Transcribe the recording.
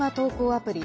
アプリ